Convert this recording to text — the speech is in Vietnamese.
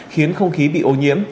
khiến không khí bị ô nhiễm